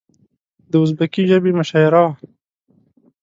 د ازبکي ژبې مشاعره وه.